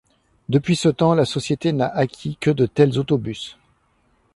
Depuis ce temps, la société n'a acquis que de tels autobus.